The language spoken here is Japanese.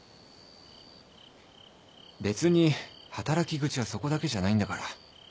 別に働き口はそこだけじゃないんだから。